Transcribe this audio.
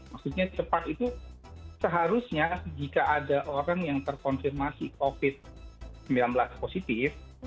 maksudnya cepat itu seharusnya jika ada orang yang terkonfirmasi covid sembilan belas positif